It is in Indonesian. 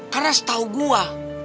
karena setau gue